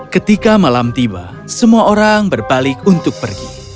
ketika malam tiba semua orang berbalik untuk pergi